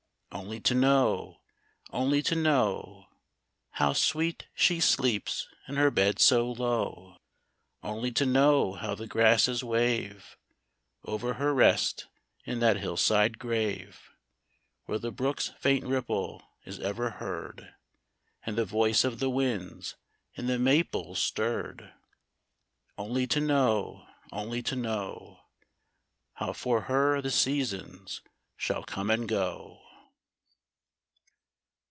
Only to know, only to know, How sweet she sleeps in her bed so low ; Only to know how the grasses wave Over her rest in that hillside grave, Where the brook's faint ripple is ever heard. And the voice of the winds in the maples stirred ; Only to know, only to know. How for her the seasons shall come and go